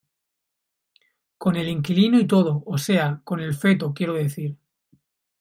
con el inquilino y todo, o sea , con el feto quiero decir.